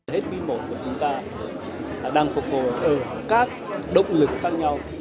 hết bí mộ của chúng ta đang phục hồi ở các động lực khác nhau